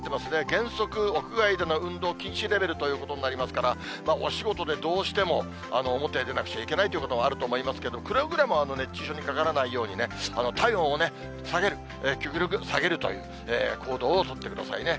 原則、屋外での運動禁止レベルということになりますから、お仕事でどうしても表へ出なくちゃいけないということもあると思いますけど、くれぐれも熱中症にかからないように、体温を極力下げるという行動を取ってくださいね。